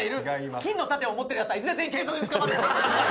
金の盾を持ってるやつはいずれ全員警察に捕まる！